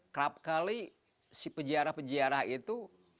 kerap kali si pejara pejara itu